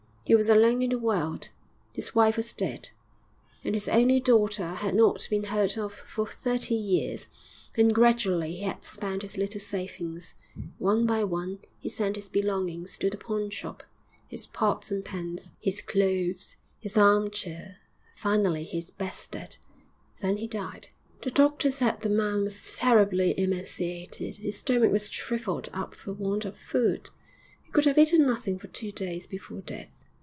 He was alone in the world his wife was dead, and his only daughter had not been heard of for thirty years and gradually he had spent his little savings; one by one he sent his belongings to the pawn shop, his pots and pans, his clothes, his arm chair, finally his bedstead, then he died. The doctor said the man was terribly emaciated, his stomach was shrivelled up for want of food, he could have eaten nothing for two days before death....